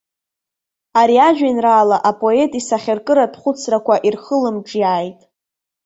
Ари ажәеинраала апоет исахьаркыратә хәыцрақәа ирхылымҿиааит.